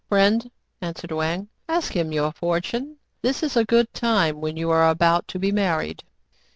"Friend," answered Wang, "ask him your for tune. This is a good time, when you are about to be married."